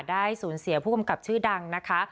ได้สูญเสียผู้กำกับชื่อดังนะคะ